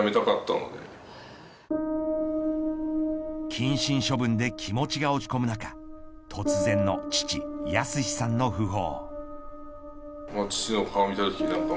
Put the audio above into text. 謹慎処分で気持ちが落ち込む中突然の父、靖さんの訃報。